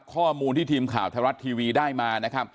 ข้อมูลที่ทีมขวาวทรัศน์ทีวีได้มา